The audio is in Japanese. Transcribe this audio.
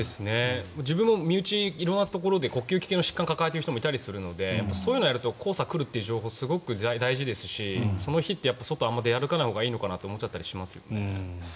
自分も身内に色んなところで呼吸器系に疾患を抱えている人がいたりするのでそういうのがあると黄砂が来るという情報はすごく大事ですしその日って外をあまり出歩かないほうがいいのかなと思いますね。